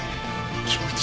気持ち悪。